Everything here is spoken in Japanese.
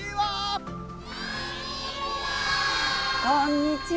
こんにちは。